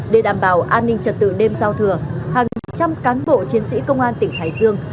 để đảm bảo an ninh trật tự đêm giao thừa hàng trăm cán bộ chiến sĩ công an tỉnh hải dương